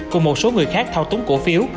cùng một số người khác thao túng cổ phiếu